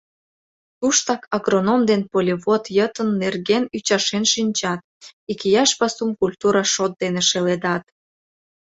Туштак агроном ден полевод йытын нерген ӱчашен шинчат, икияш пасум культура шот дене шеледат.